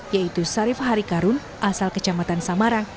yaitu sarif hari karun asal kecamatan samarang